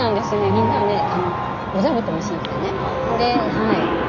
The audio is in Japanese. みんなねお座布団敷いてね。